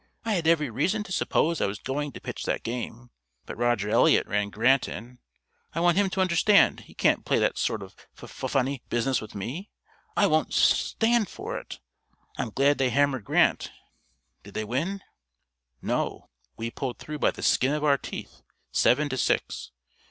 I had every reason to suppose I was going to pitch that game, but Roger Eliot ran Grant in. I want him to understand he can't play that sort of fuf funny business with me; I won't sus stand for it. I'm glad they hammered Grant! Did they win?" "No; we pulled through by the skin of our teeth seven to six.